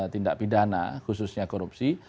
tindak pidana khususnya korupsi